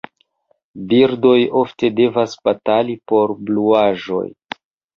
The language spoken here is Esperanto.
Birdoj ofte devas batali por bluaĵoj.